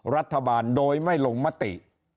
รัฐบาลโดยไม่ลงมติ